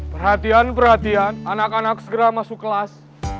perhatian perhatian anak anak segera masuk kelas